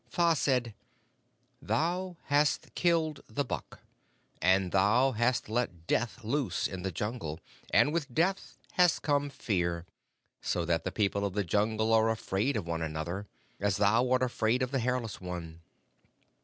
Tha said, 'Thou hast killed the buck, and thou hast let Death loose in the Jungle, and with Death has come Fear, so that the people of the Jungle are afraid one of the other, as thou art afraid of the Hairless One.'